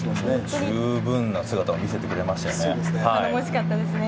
十分な姿を見せてくれましたよね。